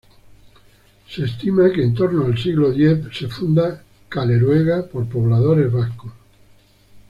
Se estima que en torno al siglo X se funda Caleruega, por pobladores vascos.